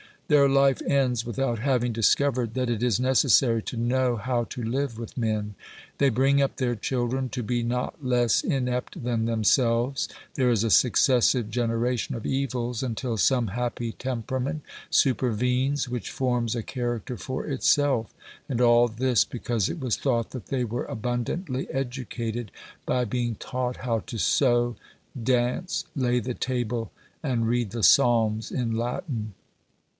Their life ends without having discovered that it is necessary to know how to live with men ; they bring up their children to be not less inept than themselves ; there is a successive generation of evils until some happy temperament supervenes which forms a character for itself; and all this because it was i8o OBERMANN thought that they were abundantly educated by being taught how to sew, dance, lay the table and read the Psalms in Latin.